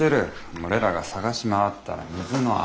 俺らが捜し回ったら水の泡。